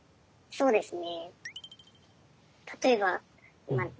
そうですね。